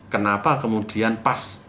kenapa kemudian pas